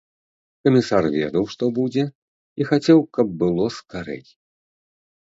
Камісар ведаў, што будзе, і хацеў, каб было скарэй.